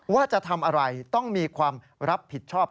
ว่าจะทำอะไรต้องมีความรับผิดชอบ